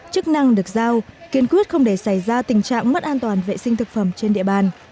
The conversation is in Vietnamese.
chức năng được giao kiên quyết không để xảy ra tình trạng mất an toàn vệ sinh thực phẩm trên địa bàn